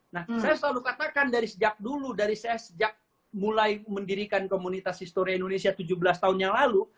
nah saya selalu katakan dari sejak dulu dari saya sejak mulai mendirikan komunitas histori indonesia tujuh belas tahun yang lalu